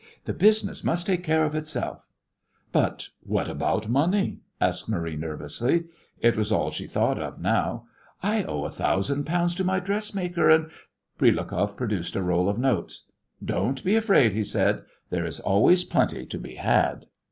"The business must take care of itself." "But what about money?" asked Marie nervously. It was all she thought of now. "I owe a thousand pounds to my dressmaker, and " Prilukoff produced a roll of notes. "Don't be afraid," he said, "there is always plenty to be had."